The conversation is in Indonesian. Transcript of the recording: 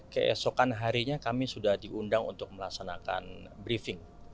keesokan harinya kami sudah diundang untuk melaksanakan briefing